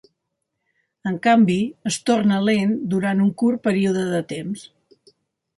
En canvi, es torna lent durant un curt període de temps.